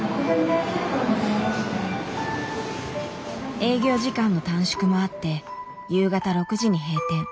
営業時間の短縮もあって夕方６時に閉店。